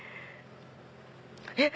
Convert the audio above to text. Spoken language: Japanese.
えっ？